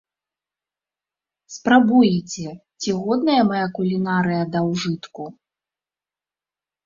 Спрабуеце, ці годная мая кулінарыя да ўжытку.